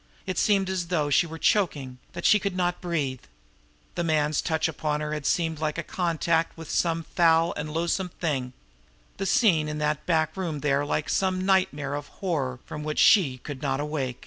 It seemed as though she were choking, that she could not breathe. The man's touch upon her had seemed like contact with some foul and loathsome thing; the scene in that room back there like some nightmare of horror from which she could not awake.